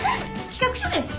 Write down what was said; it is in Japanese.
企画書です。